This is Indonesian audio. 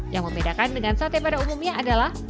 yang membedakan dengan sate pada umumnya adalah